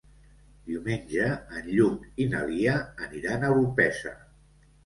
Diumenge en Lluc i na Lia aniran a Orpesa.